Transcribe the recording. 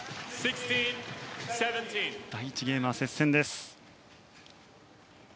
第１ゲームは接戦です。